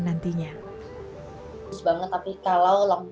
namun ia yakin dampak jangka panjang akan ia rasakan